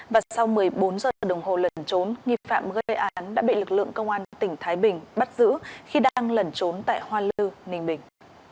và sau một mươi bốn giờ đồng hồ lẩn trốn nghi phạm gây án đã bị lực lượng công an tỉnh thái bình bắt giữ khi đang lẩn trốn tại hoa lư ninh bình